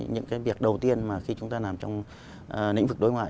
những cái việc đầu tiên mà khi chúng ta làm trong lĩnh vực đối ngoại